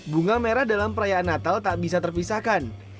bunga merah dalam perayaan natal tak bisa terpisahkan